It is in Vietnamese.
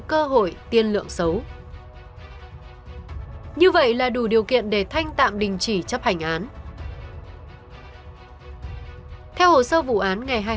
tội tiên lượng xấu như vậy là đủ điều kiện để thanh tạm đình chỉ chấp hành án theo hồ sơ vụ án ngày